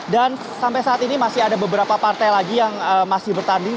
dan sampai saat ini masih ada beberapa partai lagi yang masih bertanding